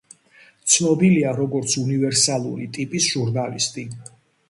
ცნობილია, როგორც უნივერსალური ტიპის ჟურნალისტი.